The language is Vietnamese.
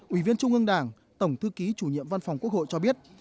ủy viên trung ương đảng tổng thư ký chủ nhiệm văn phòng quốc hội cho biết